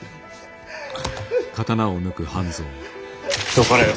どかれよ。